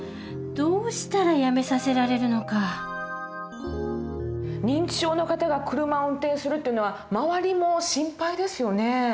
どうしたらやめさせられるのか認知症の方が車を運転するっていうのは周りも心配ですよね。